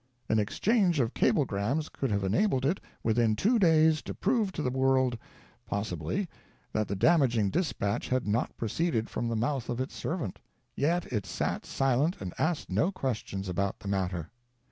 An exchange of cablegrams could have enabled it, within two days, to prove to the world — possibly — that the damaging dispatch had not proceeded from the mouth of its servant; yet it sat silent and asked no questions about the matter.